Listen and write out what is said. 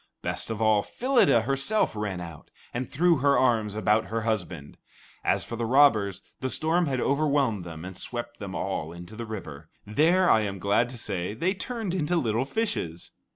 Best of all, Phyllida herself ran out, and threw her arms about her husband. As for the robbers, the storm had overwhelmed them and swept them all into the river. There, I am glad to say, they turned into little fishes.